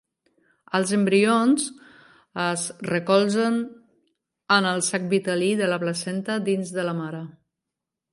Els embrions es recolzen en el sac vitel·lí de la placenta dins de la mare.